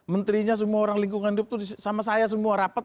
menterinya semua orang lingkungan hidup itu sama saya semua rapat